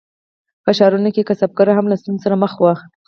په ښارونو کې کسبګر هم له ستونزو سره مخ وو.